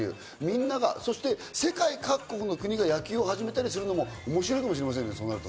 みんなが、そして世界が、世界各国の国々が野球を始めたりするのも面白いかもしれませんね。